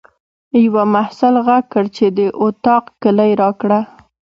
یوه محصل غږ کړ چې د اطاق کیلۍ راکړه.